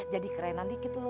jadi keren nanti gitu loh